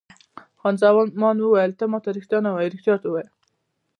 خان زمان وویل: ته ما ته رښتیا نه وایې، رښتیا راته ووایه.